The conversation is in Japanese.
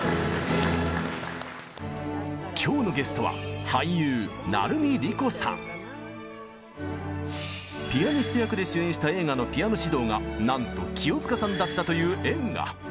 今日のゲストはピアニスト役で主演した映画のピアノ指導がなんと清塚さんだったという縁が。